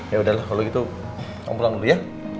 ya udahlah kalo gitu om pulang dulu ya